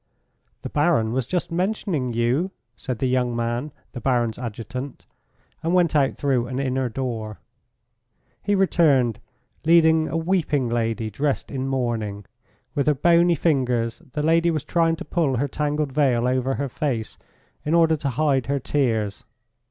"The Baron was just mentioning you," said the young man, the Baron's adjutant, and went out through an inner door. He returned, leading a weeping lady dressed in mourning. With her bony fingers the lady was trying to pull her tangled veil over her face in order to hide her tears.